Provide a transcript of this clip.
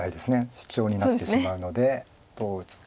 シチョウになってしまうのでどう打つか。